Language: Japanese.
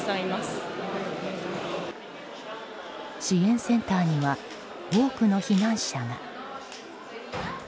支援センターには多くの避難者が。